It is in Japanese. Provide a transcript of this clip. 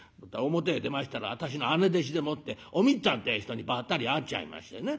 「表へ出ましたら私の姉弟子でもっておみっつぁんってえ人にばったり会っちゃいましてね